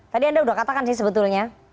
tadi anda sudah katakan sih sebetulnya